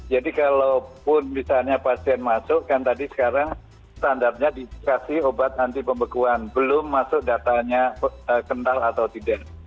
jadi kalaupun misalnya pasien masuk kan tadi sekarang standarnya dikasih obat anti pembekuan belum masuk datanya kental atau tidak